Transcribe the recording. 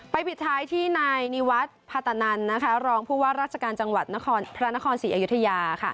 ปิดท้ายที่นายนิวัฒน์พาตนันรองผู้ว่าราชการจังหวัดพระนครศรีอยุธยา